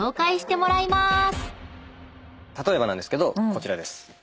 例えばなんですけどこちらです。